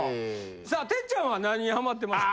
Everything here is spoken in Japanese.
さあ哲ちゃんは何にハマってました？